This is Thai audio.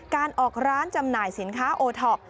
การออกร้านจำหน่ายสินค้าโอท็อป